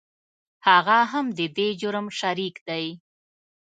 هغه هم د دې جرم شریک دی .